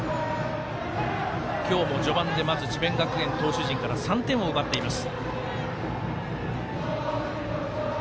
今日も序盤で智弁学園投手陣から３点を奪っています。